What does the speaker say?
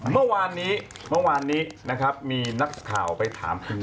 เมื่อวานนี้นะครับมีนักข่าวไปถามคุณแมท